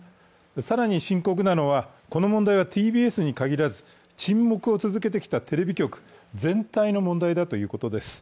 更に深刻なのは、この問題はＴＢＳに限らず、沈黙を続けてきたテレビ局全体の問題だと思います。